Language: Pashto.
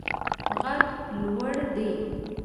غره لوړي دي.